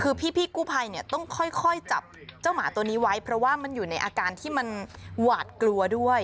คือพี่กู้ภัยเนี่ยต้องค่อยจับเจ้าหมาตัวนี้ไว้เพราะว่ามันอยู่ในอาการที่มันหวาดกลัวด้วย